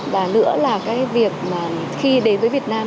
và nữa là cái việc mà khi đến với việt nam